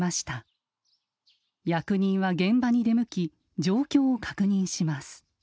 役人は現場に出向き状況を確認します。